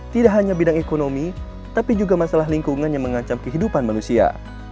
tidak hanya bidang ekonomi tapi juga masalah lingkungan yang mengancam kehidupan manusia